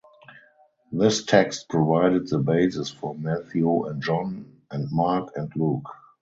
This text provided the basis for Matthew and John and Mark and Luke.